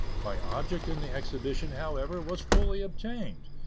My object in the exhibition, however, was fully attained.